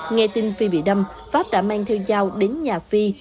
nghe tin phi bị đâm pháp đã mang theo dao đến nhà phi